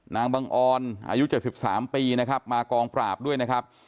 บังออนอายุ๗๓ปีนะครับมากองปราบด้วยนะครับ